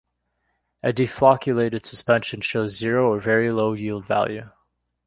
A deflocculated suspension shows zero or very low yield value.